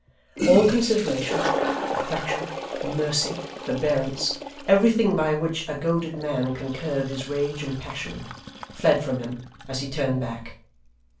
All consideration, reflection, mercy, forbearance; everything by which a goaded man can curb his rage and passion; fled from him as he turned back.